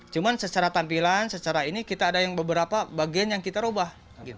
cuma secara tampilan secara ini kita ada yang beberapa bagian yang kita ubah